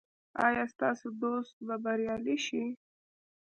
ایا ستاسو دوست به بریالی شي؟